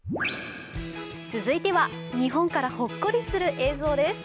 続いては、日本からほっこりする映像です。